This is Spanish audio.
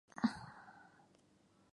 Luego pasó por Tigre.